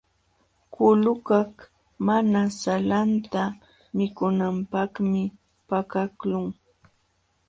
Kulukaq mana salanta mikunanpaqmi pakaqlun.